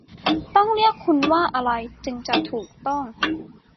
ต้องเรียกคุณว่าอะไรจึงจะถูกต้อง ?